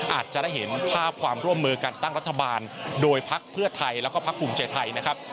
อาจจะได้เห็นภาพความร่วมมือการตั้งรัฐบาลโดยพักเพื่อไทยแล้วก็พักภูมิใจไทยนะครับ